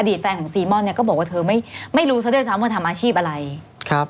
แฟนของซีม่อนเนี่ยก็บอกว่าเธอไม่ไม่รู้ซะด้วยซ้ำว่าทำอาชีพอะไรครับ